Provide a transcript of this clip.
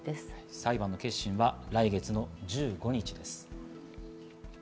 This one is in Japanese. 裁判の結審は来月１５日です。